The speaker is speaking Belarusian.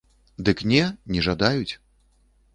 Дык не, не жадаюць.